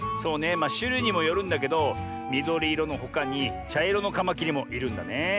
まあしゅるいにもよるんだけどみどりいろのほかにちゃいろのカマキリもいるんだね。